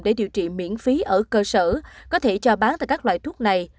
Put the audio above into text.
để điều trị miễn phí ở cơ sở có thể cho bán tại các loại thuốc này